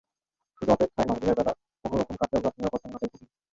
শুধু অপেক্ষাই নয়, দিনের বেলা কোনো রকম কাটলেও রাতে নিরাপত্তাহীনতায় ভুগি।